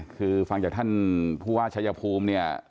คือฟังจากท่านผู้ว่าชายภูมิเนี่ย